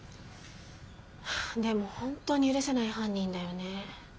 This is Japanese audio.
でもホントに許せない犯人だよね。